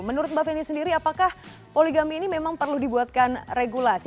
menurut mbak feni sendiri apakah poligami ini memang perlu dibuatkan regulasi